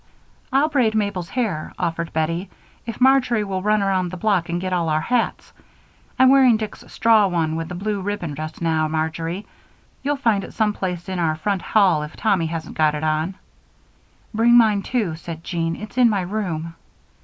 "I'll braid Mabel's hair," offered Bettie, "if Marjory will run around the block and get all our hats. I'm wearing Dick's straw one with the blue ribbon just now, Marjory. You'll find it some place in our front hall if Tommy hasn't got it on." "Bring mine, too," said Jean; "it's in my room."